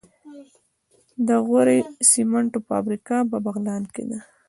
د غوري سمنټو فابریکه په بغلان کې ده.